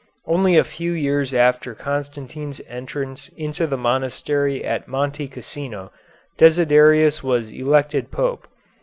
Only a few years after Constantine's entrance into the monastery at Monte Cassino Desiderius was elected Pope.